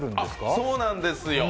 そうなんですよ。